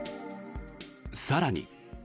更に。